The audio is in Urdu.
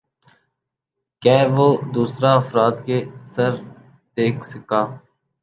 کہہ وہ دوسر افراد کے ثر دیکھ سکہ